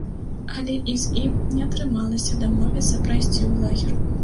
Але і з ім не атрымалася дамовіцца прайсці ў лагер.